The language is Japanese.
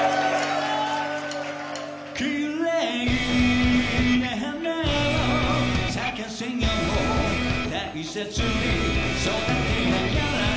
「綺麗な花を咲かせよう、大切に育てながら。」